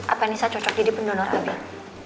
apa nisa cocok jadi pendonor habib